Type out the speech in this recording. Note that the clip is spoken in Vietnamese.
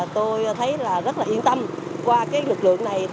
tôi thấy là rất là yên tâm qua lực lượng này